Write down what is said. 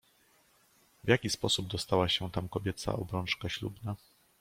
"W jaki sposób dostała się tam kobieca obrączka ślubna?"